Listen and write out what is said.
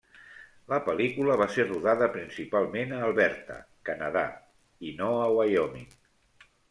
La pel·lícula va ser rodada principalment a Alberta, Canadà, i no a Wyoming.